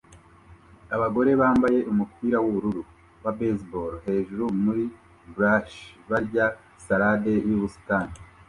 Abagore bambaye umupira wubururu wa baseball hejuru muri blachers barya salade yubusitani